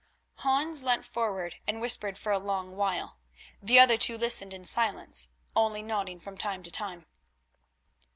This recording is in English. Hans leant forward and whispered for a long while. The other two listened in silence, only nodding from time to time.